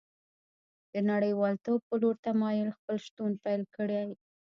د نړیوالتوب په لور تمایل خپل شتون پیل کړی